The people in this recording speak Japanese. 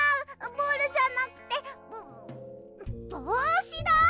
ボールじゃなくてぼうしだ！